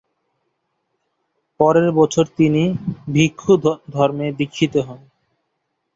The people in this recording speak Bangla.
পরের বছর তিনি ভিক্ষু ধর্মে দীক্ষিত হন।